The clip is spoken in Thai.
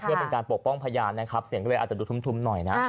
เพื่อเป็นการปกป้องพยานนะครับเสียงก็เลยอาจจะดูทุ่มหน่อยนะ